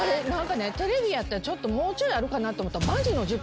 テレビやったらもうちょいあるかなと思ったら。